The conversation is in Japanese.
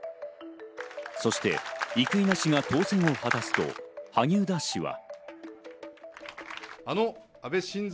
そして、生稲氏が当選を果たすと萩生田氏は。